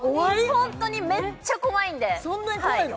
ホントにめっちゃ怖いんでそんなに怖いの？